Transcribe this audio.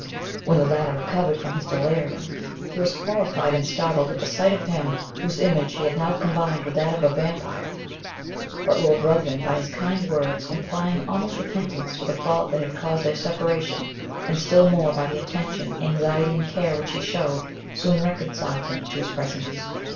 When the latter recovered from his delirium, he was horrified and startled at the sight of him whose image he had now combined with that of a Vampyre; but Lord Ruthven, by his kind words, implying almost repentance for the fault that had caused their separation, and still more by the attention, anxiety, and care which he showed, soon reconciled him to his presence.